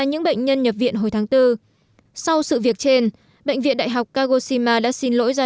những bệnh nhân nhập viện hồi tháng bốn sau sự việc trên bệnh viện đại học kagoshima đã xin lỗi ra